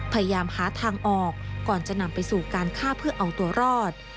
พยายามหาทางออกก่อนจะนำไปสู่การฆ่าเพื่อเอาตัวรอด